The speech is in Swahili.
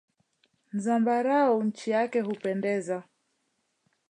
Nzambarau nchi wake hupendeza.